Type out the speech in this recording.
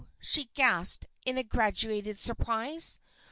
she gasped, in graduated surprise.